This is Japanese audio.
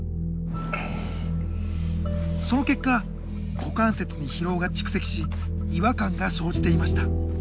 その結果股関節に疲労が蓄積し違和感が生じていました。